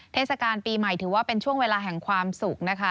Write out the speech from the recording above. เทศกาลปีใหม่ถือว่าเป็นช่วงเวลาแห่งความสุขนะคะ